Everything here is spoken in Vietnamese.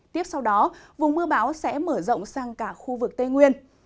tiếp sau đó vùng mưa bão sẽ mở rộng sang cả khu vực tây nguyên